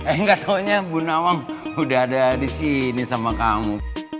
eh gak taunya bu nawang udah ada disini sama kamu